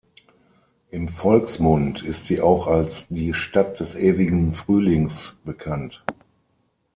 Im Volksmund ist sie auch als die „Stadt des ewigen Frühlings“ bekannt.